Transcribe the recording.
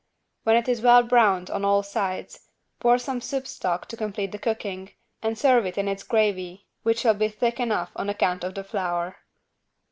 When it is well browned on all sides, pour some soup stock to complete the cooking and serve it in its gravy which will be thick enough on account of the flour.